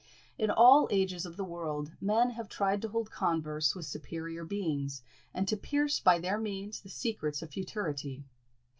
In all ages of the world men have tried to hold converse with superior beings, and to pierce by their means the secrets of futurity.